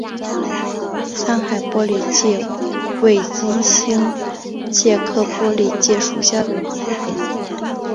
三害玻璃介为金星介科玻璃介属下的一个种。